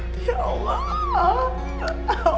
ya allah ya allah